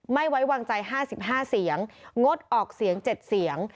ไม่ไว้วางใจห้าสิบห้าเสียงงดออกเสียงเจ็ดเสียง